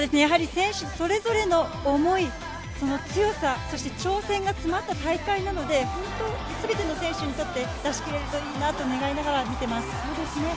選手それぞれの思い、その強さ、そして挑戦が詰まった大会なので、すべての選手にとって出し切れるといいなと願いながら見ています。